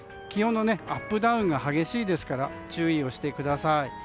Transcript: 気温のアップダウンが激しいですから注意してください。